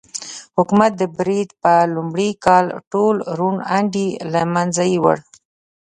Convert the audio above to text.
حکومت د برید په لومړي کال ټول روڼ اندي له منځه یووړل.